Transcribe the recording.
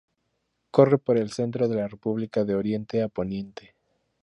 Corre por el centro de la república de oriente a poniente.